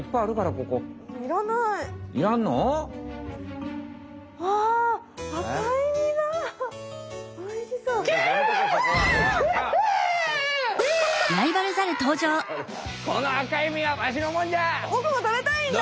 ボクも食べたいんだ！